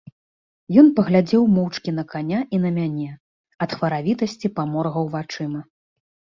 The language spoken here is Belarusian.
Ён паглядзеў моўчкі на каня і на мяне, ад хваравітасці паморгаў вачыма.